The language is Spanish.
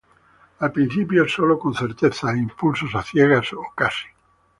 Al principio sólo con certezas e impulsos a ciegas, o casi.